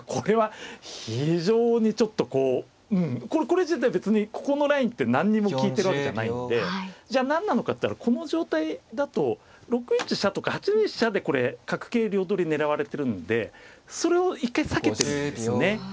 これ自体は別にここのラインって何にも利いてるわけじゃないんでじゃあ何なのかっていったらこの状態だと６一飛車とか８二飛車でこれ角桂両取り狙われてるんでそれを一回避けてるんですね。